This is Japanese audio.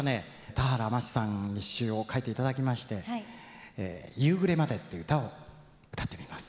俵万智さんに詞を書いていただきまして「夕暮れまで」っていう歌を歌ってみます。